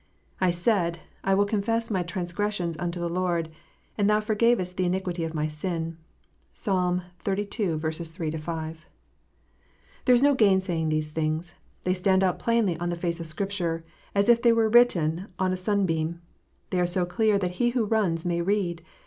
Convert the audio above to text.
I said, I will confess my transgression unto the Lord ; and Thou forgavest the iniquity of my sin." (Psalm xxxii. 3 5.) There is no gainsaying these things. They stand out plainly on the face of Scripture, as if they were written with a sun beam : they are so clear that he who runs may read.